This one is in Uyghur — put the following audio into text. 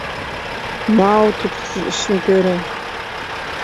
ماۋۇ تېتىقسىز ئىشنى كۆرۈڭ!